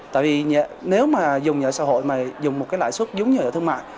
tại vì nếu mà dùng nhà ở xã hội mà dùng một cái lãi suất giống như ở thương mại